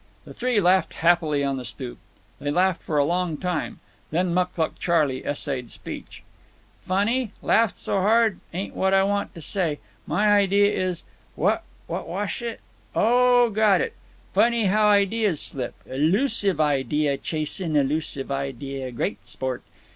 The three laughed happily on the stoop. They laughed for a long time. Then Mucluc Charley essayed speech. "Funny—laughed so hard—ain't what I want to say. My idea is ... what wash it? Oh, got it! Funny how ideas slip. Elusive idea—chasin' elusive idea—great sport.